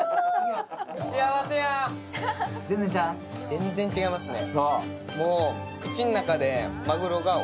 全然違いますね。